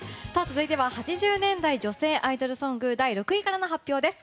続いては８０年代女性アイドルソング第６位からの発表です。